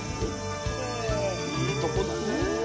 いいとこだね。